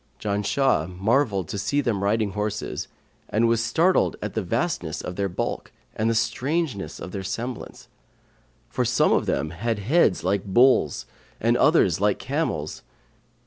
Janshah marvelled to see them riding horses, and was startled at the vastness of their bulk and the strangeness of their semblance; for some of them had heads like bulls and others like camels.